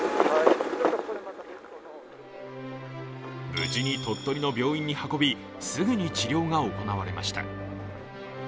無事に鳥取の病院に運びすぐに治療が行われました。